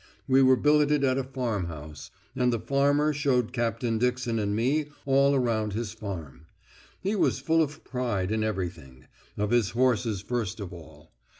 We were billeted at a farmhouse, and the farmer showed Captain Dixon and me all round his farm. He was full of pride in everything; of his horses first of all.